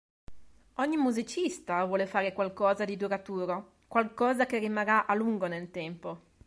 Ogni musicista vuole fare qualcosa di duraturo, qualcosa che rimarrà a lungo nel tempo.